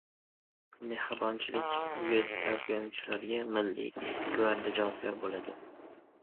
"Mehribonlik" uyi tarbiyalanuvchilariga Milliy gvardiya javobgar bo‘ladi